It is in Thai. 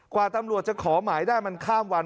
กว่าตำรวจจะขอหมายได้มันข้ามวัน